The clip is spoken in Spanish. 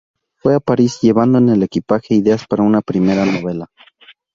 Fue a París, llevando en el equipaje ideas para una primera novela.